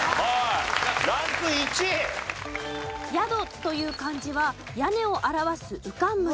「宿」という漢字は屋根を表すうかんむり